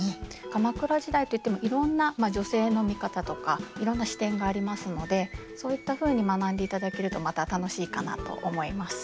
鎌倉時代といってもいろんな女性の見方とかいろんな視点がありますのでそういったふうに学んでいただけるとまた楽しいかなと思います。